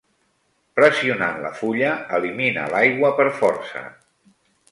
Pressionant la fulla elimina l'aigua per força.